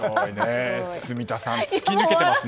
住田さん、突き抜けてますね。